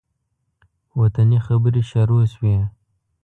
وطني خبرې شروع شوې.